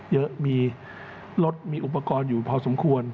เยอะมีรถมีอุปกรณ์อยู่พอสมควร